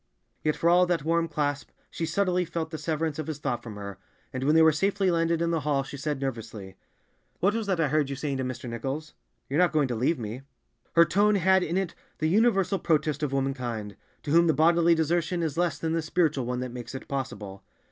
Yet for all that warm clasp, she subtly felt the severance of his thought from her, and when they were safely landed in the hall, she said nervously, "What was that I heard you saying to Mr. Nichols? You're not going to leave me!" Her tone had in it the universal protest of womankind, to whom the bodily desertion is less than the spiritual one that makes it possible.